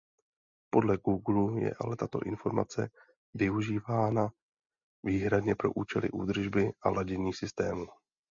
Podle Googlu je ale tato informace využívána výhradně pro účely údržby a ladění systému.